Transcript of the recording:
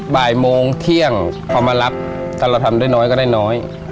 บ่ายโมงเที่ยงพอมารับถ้าเราทำได้น้อยก็ได้น้อย